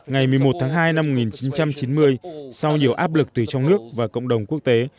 ngày một mươi một tháng hai năm một nghìn chín trăm chín mươi sau nhiều áp lực từ trong nước và cộng đồng quốc tế